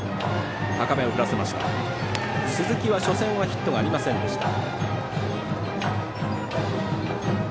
鈴木は初戦はヒットありませんでした。